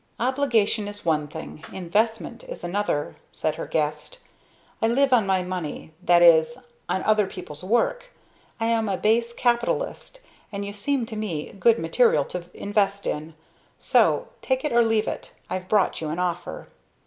"Obligation is one thing investment is another," said her guest. "I live on my money that is, on other people's work. I am a base capitalist, and you seem to me good material to invest in. So take it or leave it I've brought you an offer."